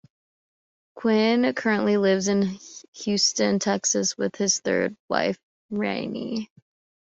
Quinn currently lives in Houston, Texas with his third wife, Rennie.